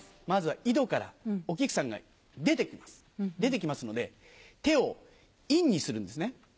まずは井戸からお菊さんが出て来ます出て来ますので手を陰にするんですね。